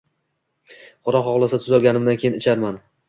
Xudo xohlasa tuzalganimdan keyin icharman